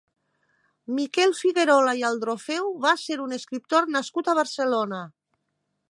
Miquel Figuerola i Aldrofeu va ser un escriptor nascut a Barcelona.